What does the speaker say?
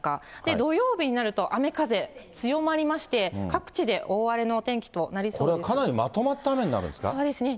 土曜日になると雨風強まりまして、各地で大荒れのお天気となりそうこれはかなりまとまった雨にそうですね。